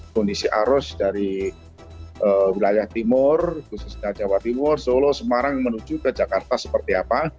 kondisi arus dari wilayah timur khususnya jawa timur solo semarang menuju ke jakarta seperti apa